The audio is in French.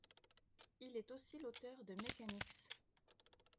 Il est aussi l'auteur de Mechanics.